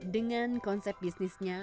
dengan konsep bisnisnya